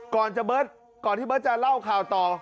ก่อนที่เบิร์ตจะเล่าข่าวต่อ